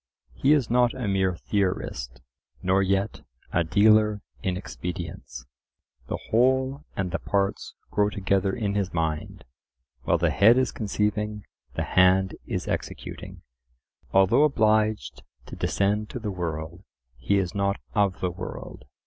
He is not a mere theorist, nor yet a dealer in expedients; the whole and the parts grow together in his mind; while the head is conceiving, the hand is executing. Although obliged to descend to the world, he is not of the world.